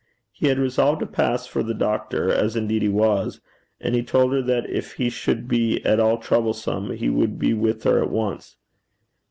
He had resolved to pass for the doctor, as indeed he was; and he told her that if he should be at all troublesome, he would be with her at once.